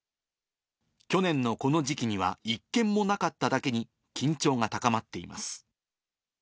去年のこの時期には１件もなかっただけに、緊張が高まっています。